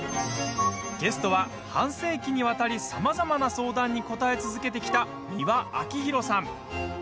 ゲストは、半世紀にわたりさまざまな相談に答え続けてきた美輪明宏さん。